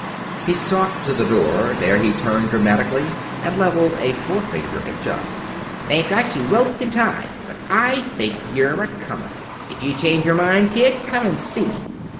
He stalked to the door. There he turned dramatically and leveled a forefinger at Jock. "They've got you roped and tied. But I think you're a comer. If you change your mind, kid, come and see me."